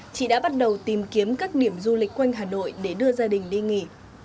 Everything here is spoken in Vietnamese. chị đã bắt đầu tìm kiếm các điểm du lịch quanh hà nội để đưa gia đình đi nghỉ